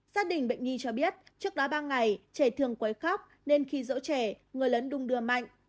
gia đình bệnh nhi cho biết trước đó ba ngày trẻ thường quấy khóc nên khi rỗ trẻ người lớn đung đưa mạnh